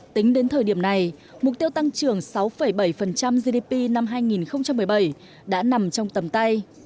tính đến thời điểm này mục tiêu tăng trưởng sáu bảy gdp năm hai nghìn một mươi bảy đã nằm trong tầm tay